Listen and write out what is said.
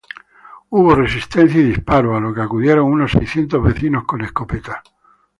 Hubo resistencia y disparos, a lo que acudieron unos seiscientos vecinos con escopetas.